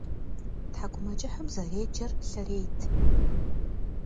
ТхьэкӀумэкӀыхым зэреджэр Лъэрейт